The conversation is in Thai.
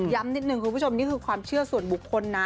นิดนึงคุณผู้ชมนี่คือความเชื่อส่วนบุคคลนะ